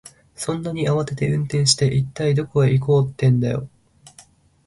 そんなに慌てて運転して、一体どこへ行こうってんだよ。